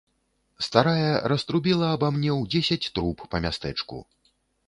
Старая раструбіла аба мне ў дзесяць труб па мястэчку.